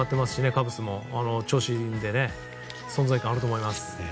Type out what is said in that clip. カブスも調子いいので存在感があると思います。